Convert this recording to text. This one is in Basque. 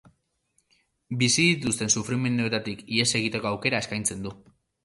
Bizi dituzten sufrimenduetatik ihes egiteko aukera eskaintzen du.